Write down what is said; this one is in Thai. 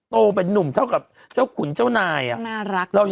โตเป็นนุ่มเท่ากับเจ้าขุนเจ้านาย